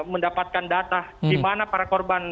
mendapatkan data dimana para korban